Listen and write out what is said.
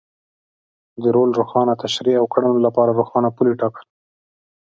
د رول روښانه تشرېح او کړنو لپاره روښانه پولې ټاکل.